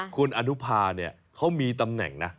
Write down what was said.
คุณอนุพาเขามีตำแหน่งนะ